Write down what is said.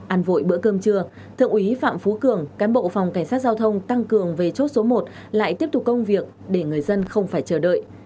ăn vội bữa cơm trưa thượng úy phạm phú cường cán bộ phòng cảnh sát giao thông tăng cường về chốt số một lại tiếp tục công việc để người dân không phải chờ đợi